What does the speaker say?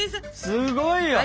すごいよ！